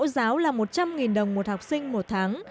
giáo là một trăm linh đồng một học sinh một tháng